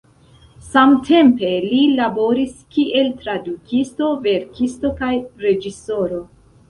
Samtempe li laboris kiel tradukisto, verkisto kaj reĝisoro.